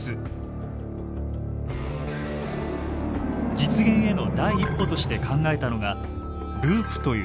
実現への第一歩として考えたのがループという仕組み。